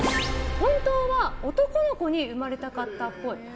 本当は男の子に生まれたかったっぽい。